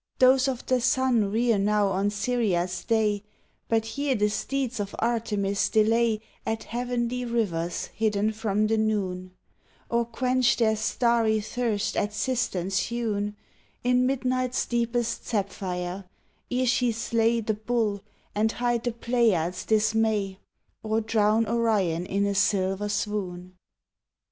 Those of the sun rear now on Syria's day, But here the steeds of Artemis delay At heavenly rivers hidden from the noon, Or quench their starry thirst at cisterns hewn In midnight's deepest sapphire, ere she slay The Bull, and hide the Pleiades' dismay, Or drown Orion in a silver swoon.